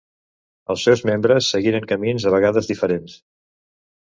Els seus membres seguiren camins a vegades diferents.